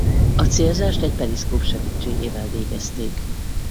A célzást egy periszkóp segítségével végezték.